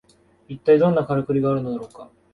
いったいどんなカラクリがあるのか